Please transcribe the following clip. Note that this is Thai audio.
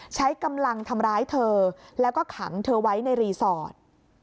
ใช้กำลังทำร้ายเธอแล้วก็ขังเธอไว้ในรีสอร์ท